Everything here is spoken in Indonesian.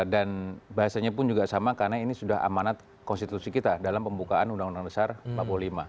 dan bahasanya pun juga sama karena ini sudah amanat konstitusi kita dalam pembukaan undang undang besar babolima